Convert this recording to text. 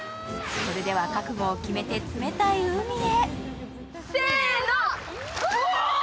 それでは、覚悟を決めて、冷たい海へ。